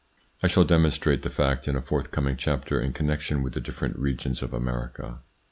I shall demonstrate the fact in a forthcoming chapter in connection with the different regions of America.